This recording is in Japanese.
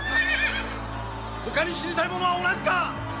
ほかに死にたい者はおらんか！